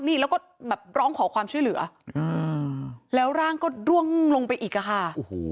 นี่แล้วก็แบบร้องขอความช่วยเหลือแล้วร่างก็ร่วงลงไปอีกอะค่ะโอ้โห